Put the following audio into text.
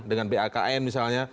dengan bakn misalnya